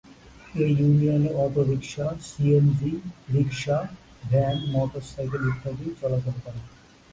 এই ইউনিয়নে autorickshaw, CNG, rickshaw, van, motorcycle ইত্যাদি চলাচল করে।